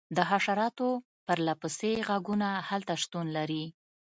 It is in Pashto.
د حشراتو پرله پسې غږونه هلته شتون لري